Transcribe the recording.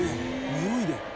においで？」